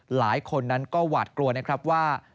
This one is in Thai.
หลายคนนั้นก็หวาดกลัวนะครับว่า